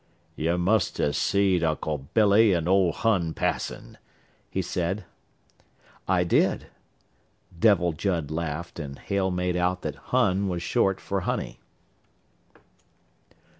"You must ha' seed Uncle Billy and ole Hon passin'," he said. "I did." Devil Judd laughed and Hale made out that "Hon" was short for Honey.